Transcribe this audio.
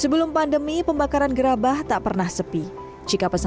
sebelum pandemi pembakaran gerabah tak pernah sepi jika pesanan